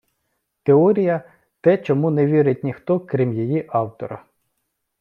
Теорія – те, чому не вірить ніхто, крім її автора.